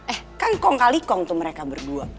eh kan kong kali kong tuh mereka berdua